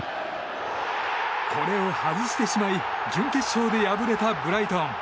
これを外してしまい準決勝で敗れたブライトン。